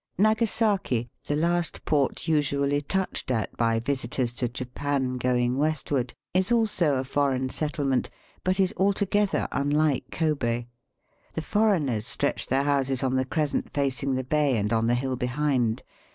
Nagasaki, the last port usually touched at by visitors to Japan going westward, is also a foreign settlement, but is altogether unlike Kobe. The foreigners stretch their houses on the crescent facing the bay and on the hill behind.